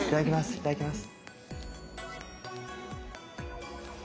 いただきます！